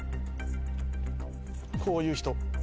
こういう人。